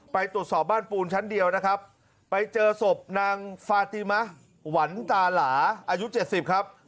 ไปตรวจสอบบ้านปูนชั้นเดียวนะครับไปเจอศพนางฟาติมะหวันตาหลาอายุ๗๐ครับ